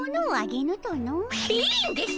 いいんです！